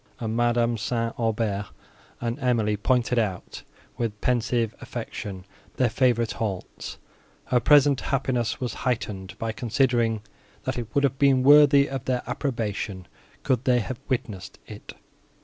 and Madame St. Aubert, and Emily pointed out, with pensive affection, their favourite haunts, her present happiness was heightened, by considering, that it would have been worthy of their approbation, could they have witnessed it.